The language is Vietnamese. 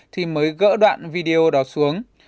thì mới gỡ đoạn video đó xuống